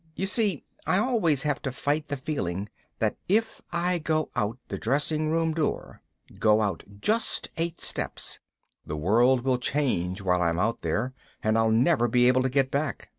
You see, I always have to fight the feeling that if I go out the dressing room door, go out just eight steps, the world will change while I'm out there and I'll never be able to get back.